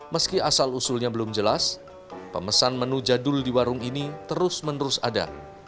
meski asal usulnya belum jelas pemesan menu jadul di warung ini terus menerus ada